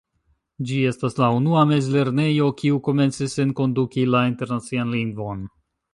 Ĝi estas la unua mezlernejo kiu komencis enkonduki la internacian lingvon.